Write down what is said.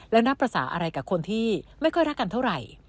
แล้วนับภาษาอะไรกับคนที่ไม่ค่อยรักกันเท่าไหร่